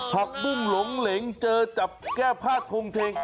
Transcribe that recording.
ผักบุ้งหลงเหลงเจอจับแก้ผ้าทงเทง